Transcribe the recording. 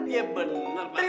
iya bener pak kiai